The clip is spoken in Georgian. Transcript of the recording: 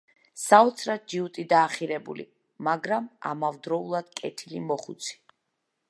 საოცრად ჯიუტი და ახირებული, მაგრამ ამავდროულად კეთილი მოხუცი.